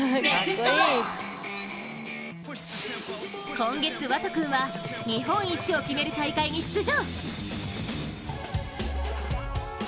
今月、湧都君は日本一を決める大会に出場。